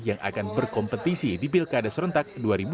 yang akan berkompetisi di pilkada serentak dua ribu dua puluh